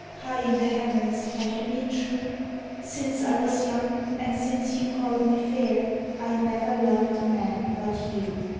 High in the heavens, have ye been true? Since I was young, and since you called me fair, I never loved a man but you.